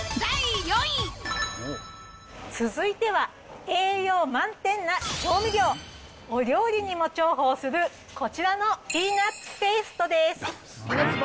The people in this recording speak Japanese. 続いては、栄養満点な調味料、お料理にも重宝する、こちらのぴーなっつぺーすとです。